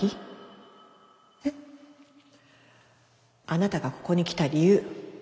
あなたがここに来た理由。